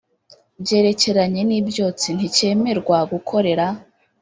byerekeranye n ibyotsi nticyemerwa gukorera